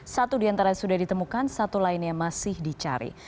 satu di antara sudah ditemukan satu lainnya masih dicari